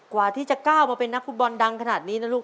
กว่าที่จะก้าวมาเป็นนักฟุตบอลดังขนาดนี้นะลูก